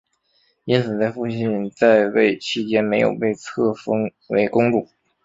因此在父亲在位期间没有被册封为公主。